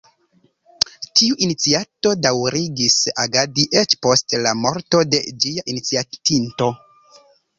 Tiu iniciato daŭrigis agadi eĉ post la morto de ĝia iniciatinto.